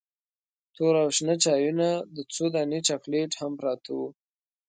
تور او شنه چایونه او څو دانې چاکلیټ هم پراته وو.